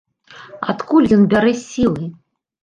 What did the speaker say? Адкуль ён бярэ сілы?